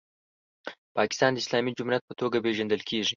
پاکستان د اسلامي جمهوریت په توګه پیژندل کیږي.